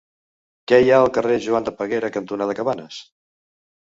Què hi ha al carrer Joan de Peguera cantonada Cabanes?